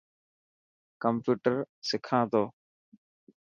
ڪمپيوٽر سکا تو.